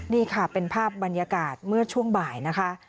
นี่ค่ะเป็นภาพบรรยากาศเมื่อช่วงบ่ายนะคะ